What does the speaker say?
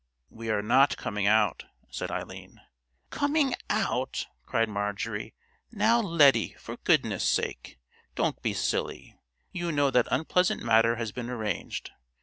"We are not coming out," said Eileen. "Coming out!" cried Marjorie. "Now, Lettie, for goodness' sake, don't be silly. You know that unpleasant matter has been arranged.